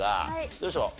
どうでしょう？